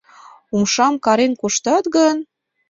Умшам карен коштат гын